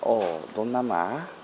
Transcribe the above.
ở đông nam á